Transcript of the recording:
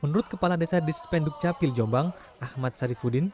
menurut kepala desa dispenduk capil jombang ahmad sarifudin